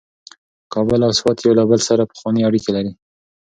کابل او سوات یو له بل سره پخوانۍ اړیکې لري.